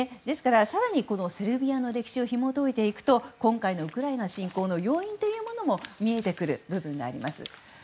ですから更にセルビアの歴史をひも解いていくと今回のウクライナ侵攻の要因も見えてくる部分があります。